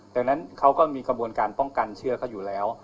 ดังนั้นเขาก็มีกระบวนการป้องกันเชื้อเขาอยู่แล้ว